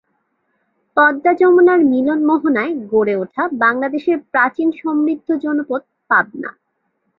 পদ্মা যমুনার মিলন মোহনায় গড়ে ওঠা বাংলাদেশের প্রাচীন সমৃদ্ধ জনপদ পাবনা।